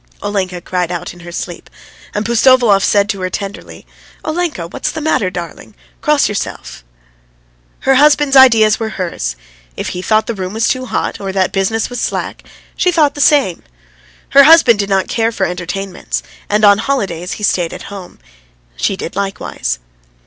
Olenka cried out in her sleep, and Pustovalov said to her tenderly: "Olenka, what's the matter, darling? Cross yourself!" Her husband's ideas were hers. If he thought the room was too hot, or that business was slack, she thought the same. Her husband did not care for entertainments, and on holidays he stayed at home. She did likewise.